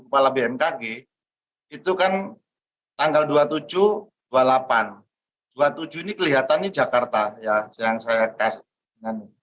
kepala bmkg itu kan tanggal dua puluh tujuh dua puluh delapan dua puluh tujuh ini kelihatannya jakarta ya yang saya kasih